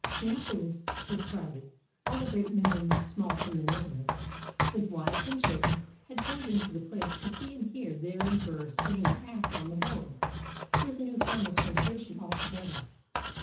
Neapolis was crowded; all the great men and small from the neighborhood, with wives and children, had 433 ROME poured into the place to see and hear their emperor sing and act on the boards — it was a new form of sensation altogether.